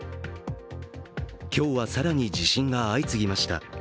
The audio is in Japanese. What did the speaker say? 今日は更に地震が相次ぎました。